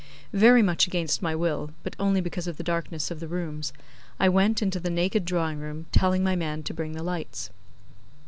Very much against my will, but only because of the darkness of the rooms, I went into the naked drawing room, telling my man to bring the lights.